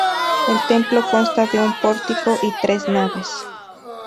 El templo consta de un pórtico y tres naves.